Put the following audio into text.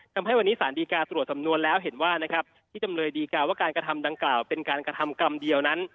ทำให้วันนี้สารดีการ์ตรวจสำนวนแล้วเห็นว่านะครับที่จำเลยดีกาว่าการกระทำดังกล่าวเป็นการกระทำกรรมเดียวนั้น